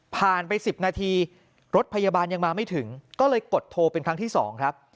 ไป๑๐นาทีรถพยาบาลยังมาไม่ถึงก็เลยกดโทรเป็นครั้งที่๒ครับ